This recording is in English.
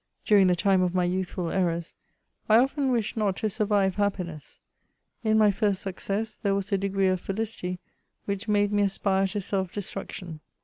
During the time of my youthful errors, I often wished not to survive happiness ; in my first success there was a degree of feUcity which made me aspire to self destruction.